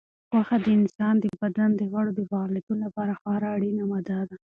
غوښه د انسان د بدن د غړو د فعالیتونو لپاره خورا اړینه ماده ده.